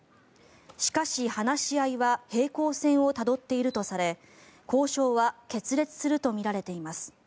しかし、話し合いは平行線をたどっているとされ交渉は決裂するとみられています。